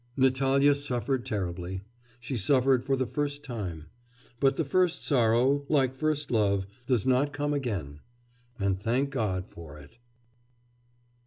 Natalya suffered terribly, she suffered for the first time.... But the first sorrow, like first love, does not come again and thank God for it!